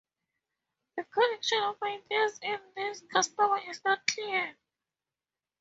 The connection of ideas in this custom is not clear.